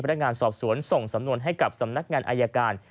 นักงานสอบสวนส่งสำนวนให้กับสำนักงานอายการ